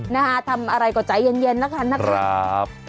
นะฮะทำอะไรก็ใจเย็นแล้วค่ะนักเรียน